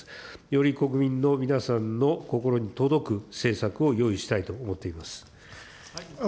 より国民の皆さんの心に届く政策を用意したいと思っています。